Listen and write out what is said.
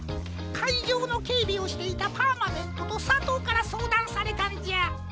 かいじょうのけいびをしていたパーマネントとさとうからそうだんされたんじゃ。